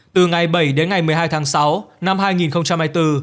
từ ngày bảy đến ngày một mươi hai tháng sáu năm hai nghìn hai mươi bốn